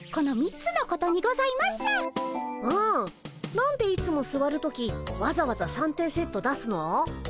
何でいつもすわる時わざわざ三点セット出すの？